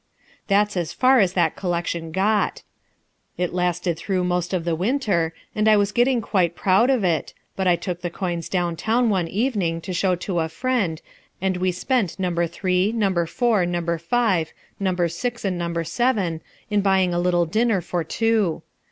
That's as far as that collection got. It lasted through most of the winter and I was getting quite proud of it, but I took the coins down town one evening to show to a friend and we spent No. 3, No. 4, No. 5, No. 6, and No. 7 in buying a little dinner for two.